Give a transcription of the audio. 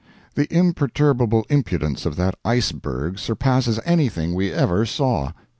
The imperturbable impudence of that iceberg surpasses anything we ever saw.